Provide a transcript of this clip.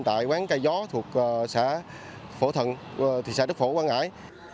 tại quán cây gió thuộc xã phổ thận thị xã đức phổ quang ngãi